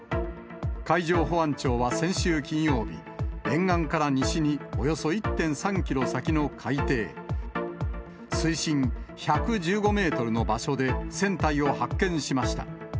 海上保安庁は先週金曜日、沿岸から西におよそ１．３キロ先の海底、水深１１５メートルの場所で船体を発見しました。